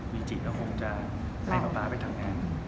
บีจิก็คงจะให้ป๊าไปทำงาน